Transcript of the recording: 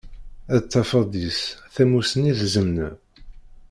Dd tafeḍ deg-s tamusni d tzemna.